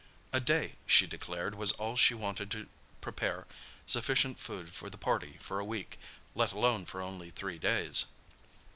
A day, she declared, was all she wanted to prepare sufficient food for the party for a week—let alone for only three days.